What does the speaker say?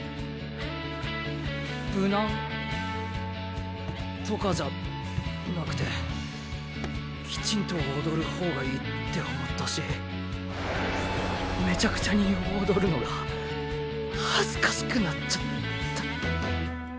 無難とかじゃなくてきちんと踊る方がいいって思ったしめちゃくちゃに踊るのが恥ずかしくなっちゃった。